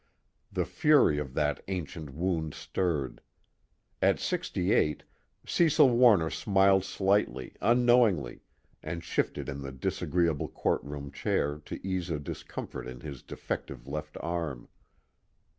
The fury of that ancient wound stirred. At sixty eight, Cecil Warner smiled slightly, unknowingly, and shifted in the disagreeable courtroom chair to ease a discomfort in his defective left arm.